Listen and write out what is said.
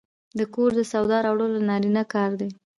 د کور د سودا راوړل د نارینه کار دی.